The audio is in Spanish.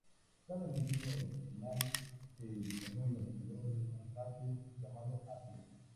Cada núcleo habitacional se desarrolla alrededor de un patio, llamado atrio.